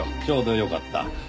ちょうどよかった。